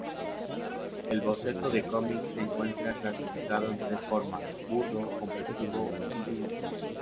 El boceto de cómic se encuentra clasificado en tres formas: burdo, comprensivo y "dummy".